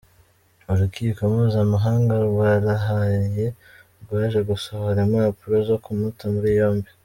Urukiko Mpuzamahanga rwa La Haye rwaje gusohora impapuro zo kumuta muri yombi.